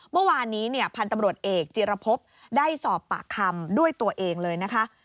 เมื่อวานนี้พันธุ์ตำรวจเอกจิรพบได้สอบปากคำด้วยตัวเองเลยนะคะ